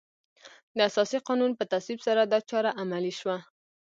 د اساسي قانون په تصویب سره دا چاره عملي شوه.